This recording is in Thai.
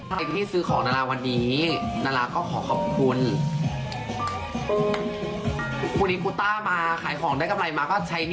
เพลงที่ซื้อของดาราวันนี้ดาราก็ขอขอบคุณ